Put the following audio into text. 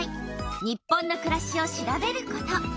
「日本のくらし」を調べること。